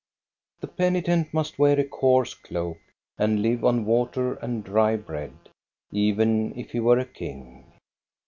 The penitent must wear a coarse cloak and live on water and dry bread, even if he were a king.